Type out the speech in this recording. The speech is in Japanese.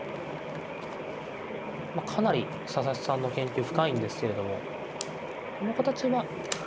まあかなり佐々木さんの研究深いんですけれどもこの形は。